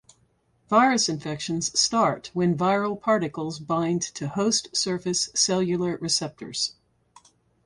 Virus infections start when viral particles bind to host surface cellular receptors.